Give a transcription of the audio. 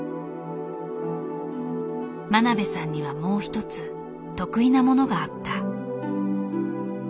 真鍋さんにはもう一つ得意なものがあった。